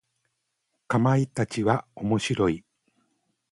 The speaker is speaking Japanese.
かまいたちは面白い。